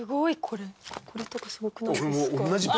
これとかすごくないですか？